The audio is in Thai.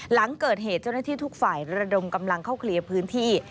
หลังเกิดเหตุเจ้าหน้าที่ทุกฝ่ายระดมกำลังเข้าเคลียร์พื้นที่